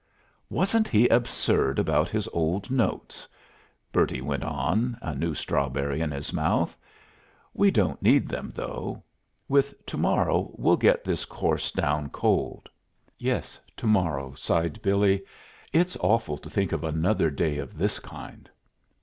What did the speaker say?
"Wasn't he absurd about his old notes? "Bertie went on, a new strawberry in his mouth. "We don't need them, though. With to morrow we'll get this course down cold." "Yes, to morrow," sighed Billy. "It's awful to think of another day of this kind."